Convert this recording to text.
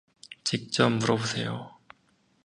직접 물어보세요.